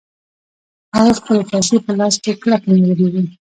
هغه خپلې پيسې په لاس کې کلکې نيولې وې.